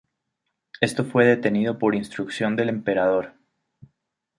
Esto fue detenido por instrucción del emperador.